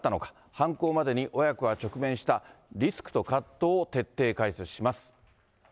犯行までに親子が直面したリスクと葛藤を徹底解説します。